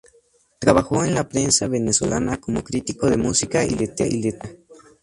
Trabajó en la prensa venezolana como crítico de música y literatura.